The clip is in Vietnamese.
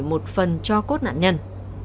một phần cho cốt nạn nhân